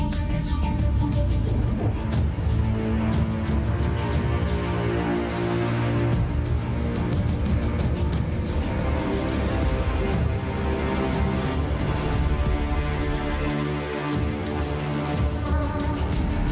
นี่ครับคุณผู้ชมครับเป็นกล้องวงจรปิด